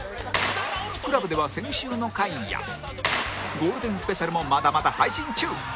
ＣＬＵＢ では先週の回やゴールデンスペシャルもまだまだ配信中